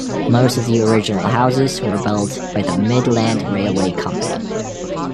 Most of the original houses were built by the Midland Railway Company.